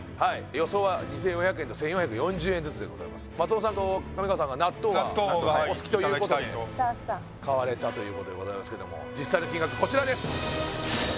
予想は２４００円と１４４０円ずつでございます松尾さんと上川さんが納豆はお好きということで買われたということでございますけども実際の金額こちらです